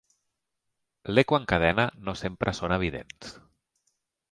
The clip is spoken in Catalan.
L'eco en cadena no sempre són evidents.